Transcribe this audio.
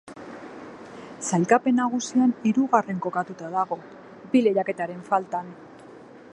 Sailkapen nagusian, hirugarren kokatuta dago bi lehiaketaren faltan.